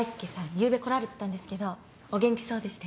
ゆうべ来られてたんですけどお元気そうでしたよ。